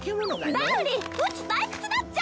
ダーリンうち退屈だっちゃ！